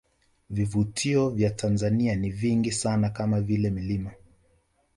Vivutio vya Tanzania ni vingi sana kama vile milima